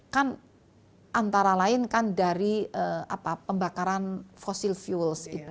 kan antara lain dari pembakaran fossil fuels